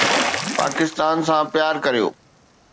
پاڪستان سان پيار ڪريو